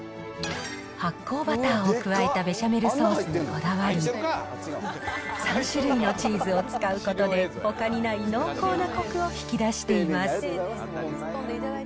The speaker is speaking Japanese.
発酵バターを加えたベシャメルソースにこだわり、３種類のチーズを使うことで、ほかにない濃厚なこくを引き出しています。